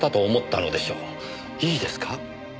いいですか？